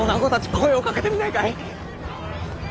声をかけてみないかい？